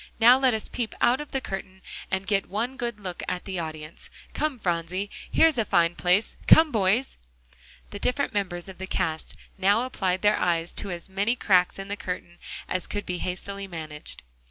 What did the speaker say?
Now let us peep out of the curtain, and get one good look at the audience. Come, Phronsie, here's a fine place; come, boys!" The different members of the cast now applied their eyes to as many cracks in the curtain as could be hastily managed.